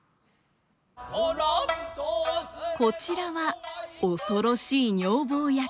こちらは恐ろしい女房役。